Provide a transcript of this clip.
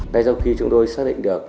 đây là khi chúng tôi xác định được